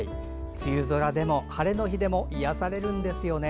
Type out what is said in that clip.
梅雨空でも晴れの日でも癒やされるんですよね。